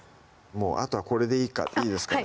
もうあとはこれでいいですかね